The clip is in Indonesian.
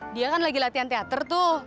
dia kan lagi latihan teater tuh